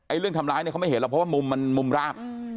เรื่องทำร้ายเนี่ยเขาไม่เห็นหรอกเพราะว่ามุมมันมุมราบ